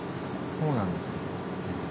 そうなんですね。